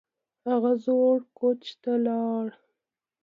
هغه زوړ کوچ ته لاړه